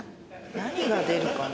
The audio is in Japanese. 何が出るかな。